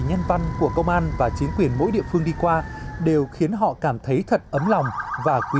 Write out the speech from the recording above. nhân văn của công an và chính quyền mỗi địa phương đi qua đều khiến họ cảm thấy thật ấm lòng và quý